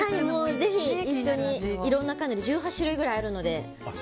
ぜひ、一緒にいろんなカヌレ１８種類ぐらいあるので。